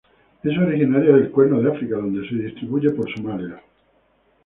Es originaria del Cuerno de África donde se distribuye por Somalia.